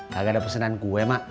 kagak ada pesanan kue mak